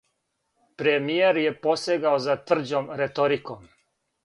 Премијер је посегао за тврђом реториком.